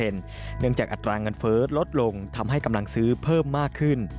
เนื่องจากอัตราเงินเฟ้อลดลงทำให้กำลังซื้อเพิ่มมากขึ้น